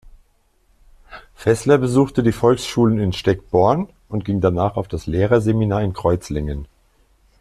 Fässler besuchte die Volksschulen in Steckborn und ging danach auf das Lehrerseminar in Kreuzlingen.